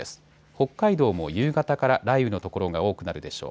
北海道も夕方から雷雨の所が多くなるでしょう。